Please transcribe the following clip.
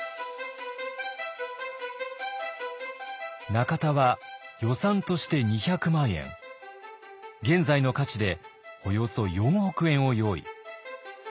中田は予算として２００万円現在の価値でおよそ４億円を用意。